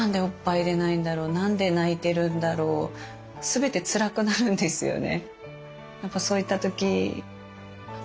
全てつらくなるんですよね。